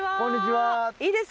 はい。